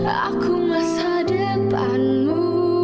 aku masa depanmu